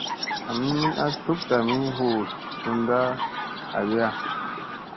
Ami min a cuk tami huu sund u agiya.